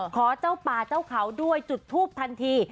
ขอเจ้าป่าเจ้าเขาด้วยจุดทูปทันที